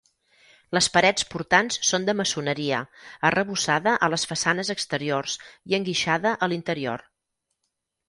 Les parets portants són de maçoneria, arrebossada a les façanes exteriors i enguixada a l'interior.